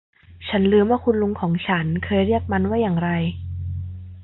ฉันลืมว่าคุณลุงของฉันเคยเรียกมันว่าอย่างไร